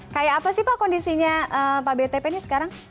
kayak apa sih pak kondisinya pak btp ini sekarang